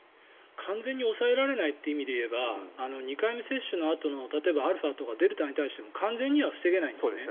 完全に抑えられないという意味で言えば２回目接種のあとの例えばアルファとかデルタに対しても完全には防げないんですね。